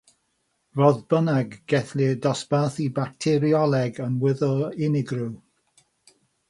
Fodd bynnag, gellir dosbarthu bacterioleg yn wyddor unigryw.